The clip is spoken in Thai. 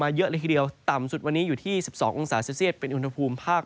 เยอะเลยทีเดียวต่ำสุดวันนี้อยู่ที่๑๒องศาเซลเซียตเป็นอุณหภูมิภาค